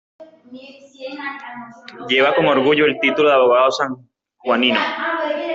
Lleva con orgullo el título de abogado Sanjuanino.